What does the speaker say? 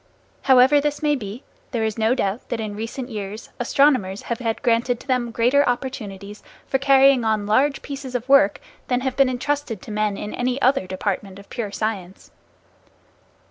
However this may be, there is no doubt that in recent years astronomers have had granted to them greater opportunities for carrying on large pieces of work than have been entrusted to men in any other department of pure science.